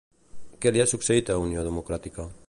Què li ha succeït a Unió Democràtica?